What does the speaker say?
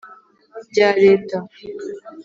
Bya Leta